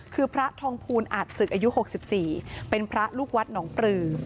คือพระทองภูลอาจศึกอายุ๖๔เป็นพระลูกวัดหนองปลือ